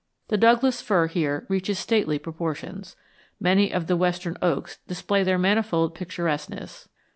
The Douglas fir here reaches stately proportions. Many of the western oaks display their manifold picturesqueness.